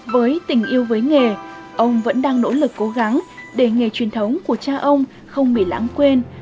với tình yêu với nghề ông vẫn đang nỗ lực cố gắng để nghề truyền thống của cha ông không bị lãng quên